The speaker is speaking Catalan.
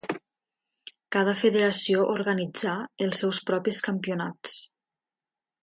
Cada federació organitzà els seus propis campionats.